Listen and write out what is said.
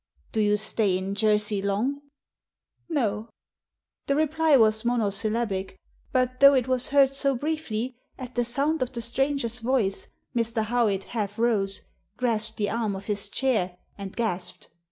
" Do you stay in Jersey long ?" ^'No." The reply was monosyllabic, but, though it was heard so briefly, at the sound of the stranger's voice Mr. Howitt half rose, grasped the arm of his chair, and gasped.